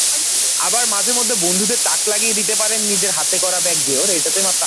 আবার মাঝেমধ্যে বন্ধুদের তাক লাগিয়ে দিতে পারেন নিজের হাতে করা ব্যাগ দিয়ে।